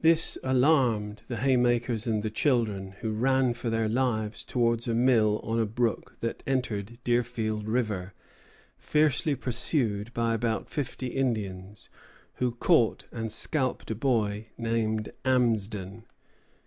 This alarmed the haymakers and the children, who ran for their lives towards a mill on a brook that entered Deerfield River, fiercely pursued by about fifty Indians, who caught and scalped a boy named Amsden.